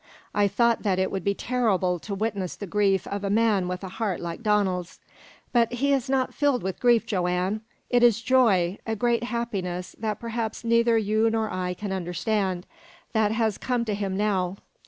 I thought that it would be terrible to witness the grief of a man with a heart like Donald's. But he is not filled with grief, Joanne. It is joy, a great happiness that perhaps neither you nor I can understand that has come to him now.